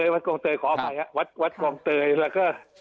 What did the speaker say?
วัดกองเตยขออภัยวัดกองเตยแล้วก็